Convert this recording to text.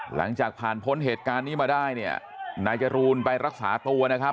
หลังจากผ่านพ้นเหตุการณ์นี้มาได้เนี่ยนายจรูนไปรักษาตัวนะครับ